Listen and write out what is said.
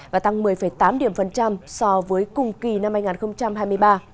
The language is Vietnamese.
và tăng một mươi tám điểm phần trăm so với cùng kỳ năm hai nghìn hai mươi ba